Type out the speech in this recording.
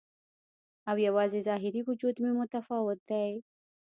او یوازې ظاهري وجود مې متفاوت دی